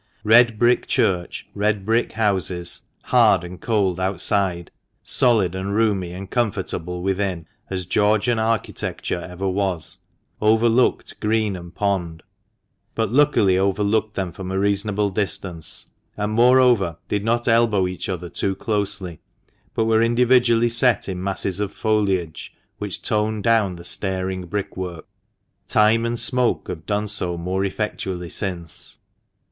Red brick church, red brick houses, hard and cold outside, solid and roomy and comfortable within, as Georgian architecture ever was, overlooked green and pond, but, luckily, overlooked them from a reasonable distance, and, moreover, did not elbow each other too closely, but were individually set in masses of foliage, which toned down the staring brickwork. Time and smoke have done so more effectually since.